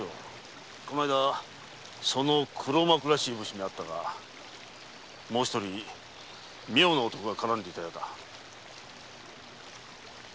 この間その黒幕らしい武士に会ったがもう一人妙な男が絡んでいたようだ。